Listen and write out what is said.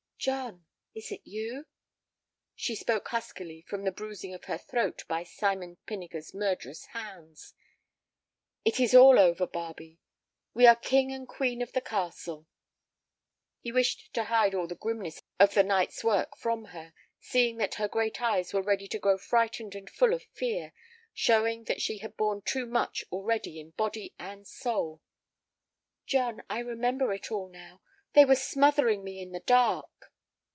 "John—is it you?" She spoke huskily, from the bruising of her throat by Simon Pinniger's murderous hands. "It is all over, Barbe. We are king and queen of the castle." He wished to hide all the grimness of the night's work from her, seeing that her great eyes were ready to grow frightened and full of fear, showing that she had borne too much already in body and soul. "John, I remember it all now—they were smothering me in the dark!"